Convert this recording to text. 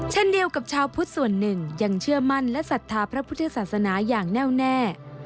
เช่นเดียวกับชาวพุทธส่วนหนึ่งยังเชื่อมั่นและศรัทธาพระพุทธศาสนาอย่างแน่วแน่